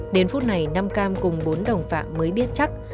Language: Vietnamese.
đến phút này nam cam cùng bốn đồng phạm mới biết chắc